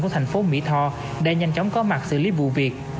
của thành phố mỹ tho để nhanh chóng có mặt xử lý vụ việc